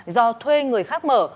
do thuê người khác mở